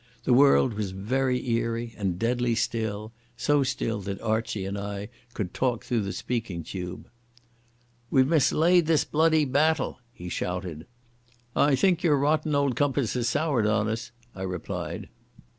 The world was very eerie and deadly still, so still that Archie and I could talk through the speaking tube. "We've mislaid this blamed battle," he shouted. "I think your rotten old compass has soured on us," I replied.